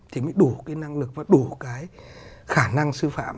thì mới đủ cái năng lực và đủ cái khả năng sư phạm